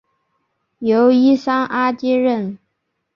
由伊桑阿接任。